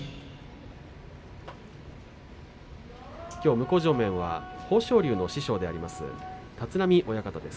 向正面は豊昇龍の師匠でもあります、立浪親方です。